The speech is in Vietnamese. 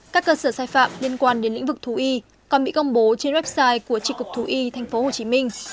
các cơ sở sai phạm liên quan đến lĩnh vực thú y còn bị công bố trên website của trị cục thú y tp hcm